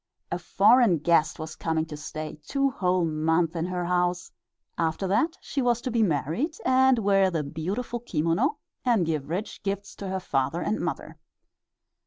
A foreign guest was coming to stay two whole months in her house; after that she was to be married and wear her beautiful kimono, and give rich gifts to her father and mother.